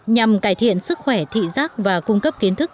nhằm cải thiện sức khỏe thị giác và cung cấp kiến thức